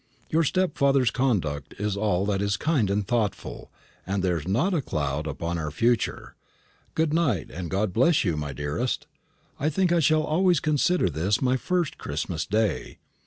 "Your stepfather's conduct is all that is kind and thoughtful, and there is not a cloud upon our future. Good night, and God bless you, my dearest! I think I shall always consider this my first Christmas day.